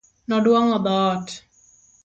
Noduong'o dhoot.